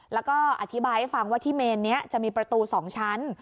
แล้วก็อธิบายให้ฟังว่าที่เมนนี้จะมีประตู๒ชั้น